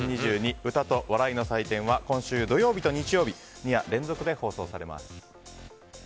歌と笑いの祭典」は今週土曜日、日曜日２夜連続で放送されます。